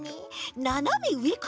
ななめうえからもいい。